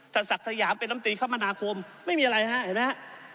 ถ้าศักดิ์สยามเป็นลำตีคมนาคมไม่มีอะไรฮะเห็นไหมฮะ